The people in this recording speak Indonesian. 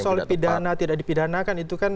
ya kalau soal dipidana atau tidak dipidanakan itu kan